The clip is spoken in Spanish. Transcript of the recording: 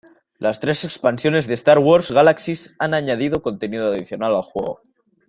Las tres expansiones de Star Wars Galaxies han añadido contenido adicional al juego.